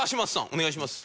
お願いします。